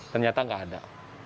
ternyata nggak ada